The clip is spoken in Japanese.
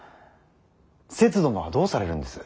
せつ殿はどうされるんです。